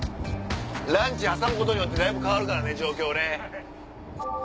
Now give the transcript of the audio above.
ランチ挟むことによってだいぶ変わるからね状況ね。